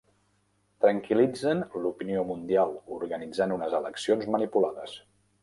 Tranquil·litzen l'opinió mundial organitzant unes eleccions manipulades.